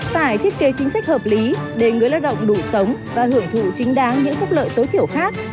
phải thiết kế chính sách hợp lý để người lao động đủ sống và hưởng thụ chính đáng những phúc lợi tối thiểu khác